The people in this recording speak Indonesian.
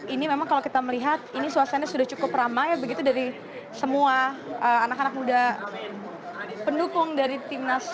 ini memang kalau kita melihat ini suasananya sudah cukup ramai begitu dari semua anak anak muda pendukung dari timnas